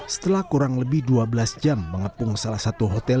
setelah kurang lebih dua belas jam mengepung salah satu hotel